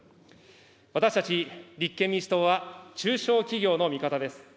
私たち立憲民主党は、中小企業の味方です。